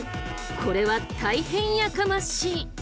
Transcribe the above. これは大変やかましい。